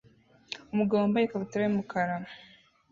Umugabo wambaye ikabutura yumukara